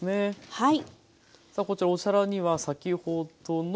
はい。